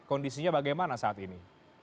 kondisinya bagaimana saat ini